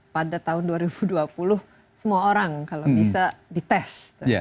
pada tahun dua ribu dua puluh semua orang kalau bisa dites